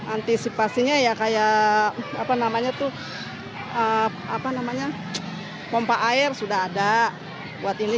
antisipasinya ya kayak apa namanya tuh apa namanya pompa air sudah ada buat ini